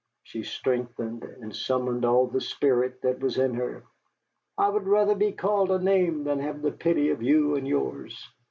She straightened, and summoned all the spirit that was in her. "I would rather be called a name than have the pity of you and yours."